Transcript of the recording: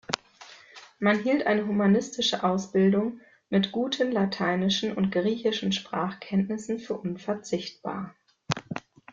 Man hielt eine humanistische Ausbildung mit guten lateinischen und griechischen Sprachkenntnissen für unverzichtbar.